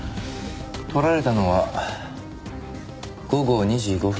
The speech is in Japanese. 撮られたのは午後２時５分。